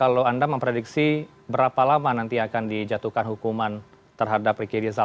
apakah anda memprediksi berapa lama nanti akan dijatuhkan hukuman terhadap rkd zal